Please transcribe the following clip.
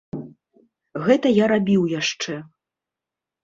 Гэта я рабіў яшчэ.